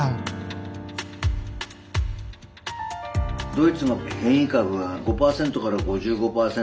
ドイツの変異株が５％から５５％。